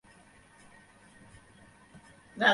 ফার্মগেটে confidence নামের একটি coaching সেন্টারে পড়তেন তিনি।